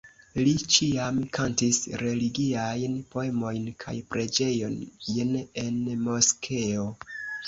Li ĉiam kantis religiajn poemojn kaj preĝojn en moskeo.